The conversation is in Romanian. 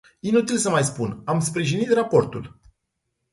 Inutil să mai spun, am sprijinit raportul.